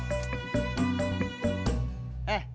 aku mau pergi